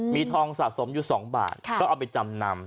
มีทองสะสมอยู่๒บาทก็เอาไปจำนำ